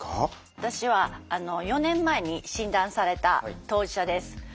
私は４年前に診断された当事者です。